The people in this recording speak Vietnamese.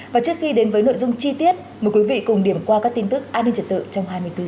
và trước khi đến với nội dung chi tiết mời quý vị cùng điểm qua các tin tức an ninh trật tự trong hai mươi bốn h